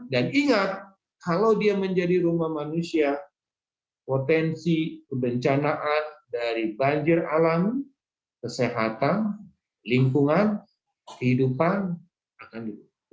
dan ingat kalau dia menjadi rumah manusia potensi kebencanaan dari banjir alami kesehatan lingkungan kehidupan akan hidup